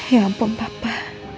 ya ampun papa